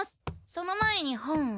その前に本を。